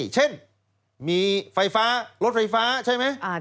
เช่นมีไฟฟ้ารถไฟฟ้าใช่ไหม